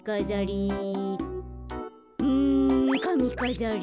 うんかみかざり。